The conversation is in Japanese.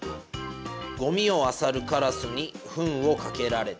ゴミをあさるカラスにふんをかけられた。